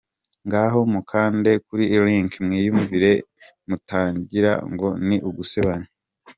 Ngaho mukande kuri link mwiyumvire mutagira ngo ni ugusebanya.